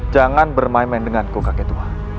jangan bermain main dengan ku kakek tua